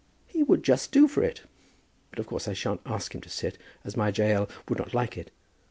"He would just do for it. But of course I shan't ask him to sit, as my Jael would not like it.